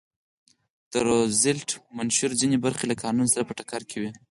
د روزولټ منشور ځینې برخې له قانون سره په ټکر کې وې.